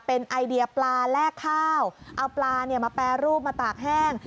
เป็นไอเดียปลาแลกข้าวเอาปลามาแปรรูปมาตากแห้ง